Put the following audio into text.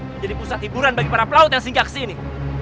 menjadi pusat hiburan bagi para pelaut yang singgah kesini